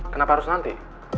kenapa harus nanti